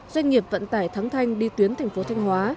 doanh nghiệp vận tải thắng thanh đi tuyến thành phố thanh hóa